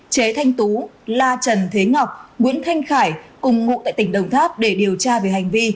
chế thanh tú la trần thế ngọc nguyễn thanh khải cùng ngụ tại tỉnh đồng tháp để điều tra về hành vi